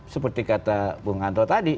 seperti kata bung anto tadi